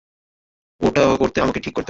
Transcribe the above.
ওটা করতে আমাকে ঠিক করতে হবে?